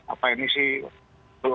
apa ini sih